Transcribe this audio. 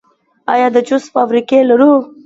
آیا د جوس فابریکې لرو؟